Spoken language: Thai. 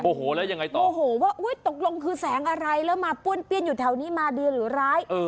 โอ้โหแล้วยังไงต่อโอ้โหว่าตกลงคือแสงอะไรแล้วมาป้วนเปี้ยนอยู่แถวนี้มาดีหรือร้าย